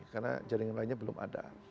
karena jaringan lainnya belum ada